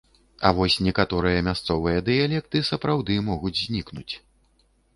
А вось некаторыя мясцовыя дыялекты сапраўды могуць знікнуць.